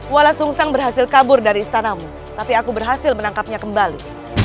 walah sung sang berhasil kabur dari istanamu tapi aku berhasil menangkapnya kembali